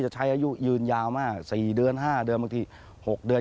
ใช้อายุยืนยาวมาก๔เดือน๕เดือนบางที๖เดือน